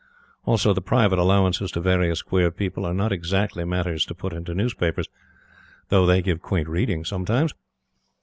Also, the private allowances to various queer people are not exactly matters to put into newspapers, though they give quaint reading sometimes.